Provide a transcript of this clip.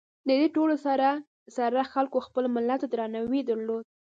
د دې ټولو سره سره خلکو خپل ملت ته درناوي درلود.